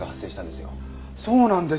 そうなんですよ。